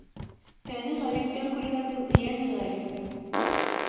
Тәне ғәриптән көлгәндең йәне ғәрип.